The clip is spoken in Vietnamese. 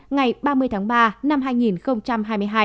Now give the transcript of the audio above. ngày ba mươi tháng ba năm hai nghìn hai mươi hai